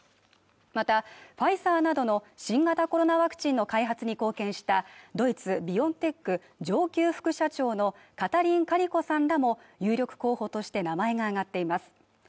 また、ファイザーなどの新型コロナワクチンの開発に貢献したドイツ・ビオンテック上級副社長のカタリン・カリコさんらも有力候補として名前が挙がっています。